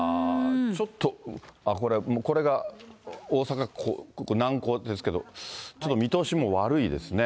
ちょっと、これがもうこれが大阪港、南港っていうんですけど、ちょっと見通しも悪いですね。